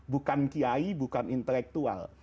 bukan kiai bukan intelektual